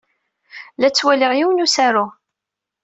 La ttwaliɣ yiwen n usaru.